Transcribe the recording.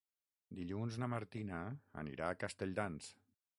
Dilluns na Martina anirà a Castelldans.